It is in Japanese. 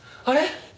あれ？